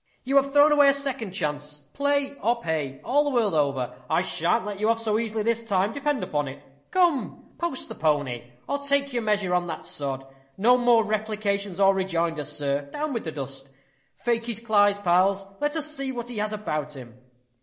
You have thrown away a second chance. Play or pay, all the world over. I shan't let you off so easily this time, depend upon it. Come, post the pony, or take your measure on that sod. No more replications or rejoinders, sir, down with the dust. Fake his clies, pals. Let us see what he has about him."